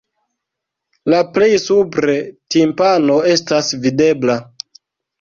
La plej supre timpano estas videbla.